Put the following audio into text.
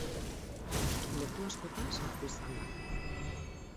Leku askotan sartu izan da.